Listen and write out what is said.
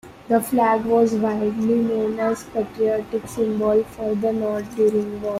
The flag was a widely known patriotic symbol for the North during the war.